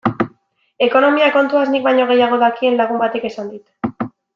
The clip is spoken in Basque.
Ekonomia kontuaz nik baino gehiago dakien lagun batek esan dit.